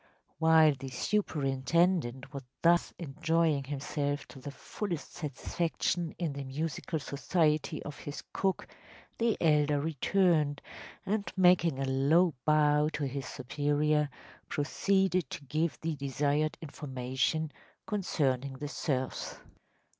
While the superintendent was thus enjoying himself to the fullest satisfaction in the musical society of his cook the elder returned, and, making a low bow to his superior, proceeded to give the desired information concerning the serfs.